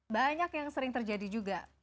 banyak yang sering terjadi juga